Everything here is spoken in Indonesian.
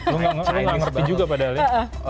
lo gak ngerti juga padahal ya